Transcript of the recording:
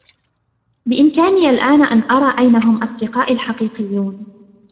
بإمكاني الآن أن أرى أين هم أصدقائي الحقيقيون.